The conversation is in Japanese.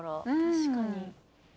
［確かに。］